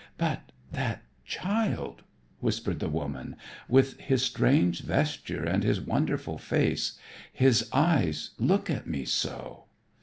"But that child," whispered the woman, "with his strange vesture and his wonderful face. His eyes look at me so."